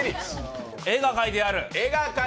絵が描いてある。